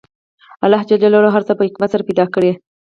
الله ج هر څه په حکمت سره پیدا کړي